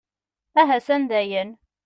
Ahasan dayen!